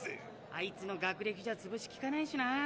あいつの学歴じゃつぶしきかねえしな。